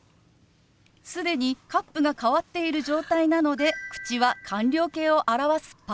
既にカップが変わっている状態なので口は完了形を表す「パ」。